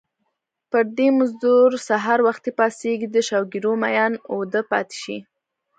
پردی مزدور سحر وختي پاڅېږي د شوګیرو مین اوده پاتې شي